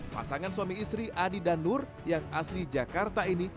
pasangan suami istri adi dan nur yang asli jakarta ini